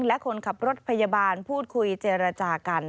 และคนขับรถพยาบาลพูดคุยเจรจากัน